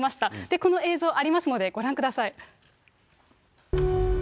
この映像ありますので、ご覧ください。